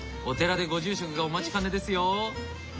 お寺でご住職がお待ちかねですよ。